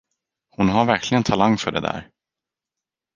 Hon har verkligen talang för det där.